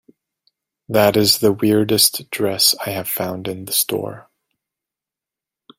That is the weirdest dress I have found in this store.